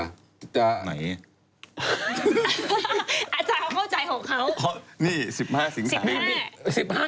อาจารย์เขาเข้าใจของเขา